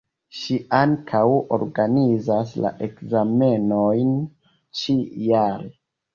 Ŝi ankaŭ organizas la ekzamenojn ĉi jare.